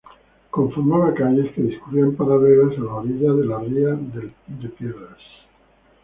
Conformaba calles que discurrían paralelas a la orilla de la ría del Piedras.